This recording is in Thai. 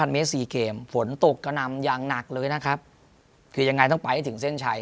เมตร๔เกมฝนตกกระนำอย่างหนักเลยนะครับคือยังไงต้องไปให้ถึงเส้นชัย